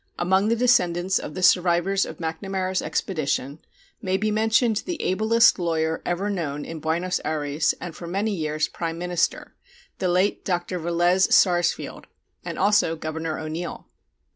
Among the descendants of the survivors of Macnamara's expedition may be mentioned the ablest lawyer ever known in Buenos Ayres and for many years Prime Minister, the late Dr. Velez Sarsfield, and also Governor O'Neill.